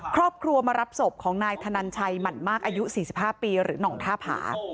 ครอบครัวมารับศพของนายธนันชัยหมั่นมากอายุ๔๕ปีหรือหน่องท่าผา